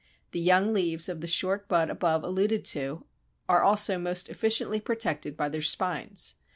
The young leaves of the short bud above alluded to are also most efficiently protected by their spines.